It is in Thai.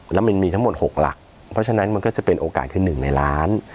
แล้วมันมีทั้งหมด๖หลักเพราะฉะนั้นมันก็จะเป็นโอกาสคือ๑ในล้าน